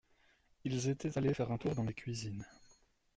Ils étaient allés faire un tour dans les cuisines.